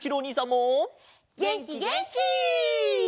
げんきげんき！